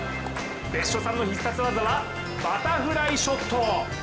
別所さんの必殺技はバタフライショット。